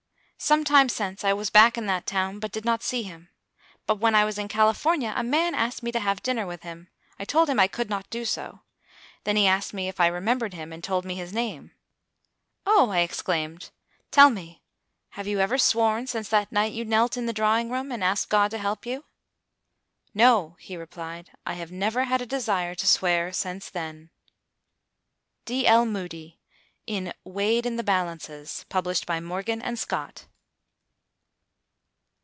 Some time since I was back in that town, but did not see him. But when I was in California, a man asked me to have dinner with him. I told him I could not do so. Then he asked me if I remembered him, and told me his name. "O!" I exclaimed. "Tell me, have you ever sworn since that night you knelt in your drawing room, and asked God to help you?" "No," he replied, "I have never had a desire to swear since then." _D.L. Moody, in "Weighed in the Balances," Published by Morgan & Scott.